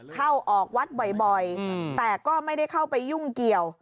เข้าออกวัดบ่อยแต่ก็ไม่ได้เข้าไปยุ่งเกี่ยว